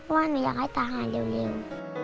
ว่าหนูอยากให้ตาหายเร็ว